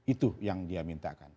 itu yang dia mintakan